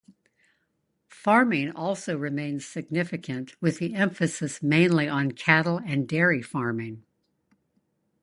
Farming also remains significant with the emphasis mainly on cattle and dairy farming.